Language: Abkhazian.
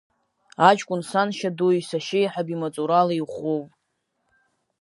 Аҷкәын саншьа дуи сашьеиҳаби маҵурала иӷәӷәоуп.